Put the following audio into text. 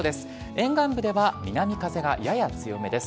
沿岸部では南風がやや強めです。